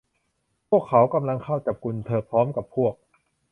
พวกเขากำลังเข้าจับกุมเธอพร้อมกับพวก